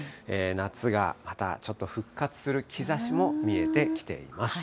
夏がまたちょっと復活する兆しも見えてきています。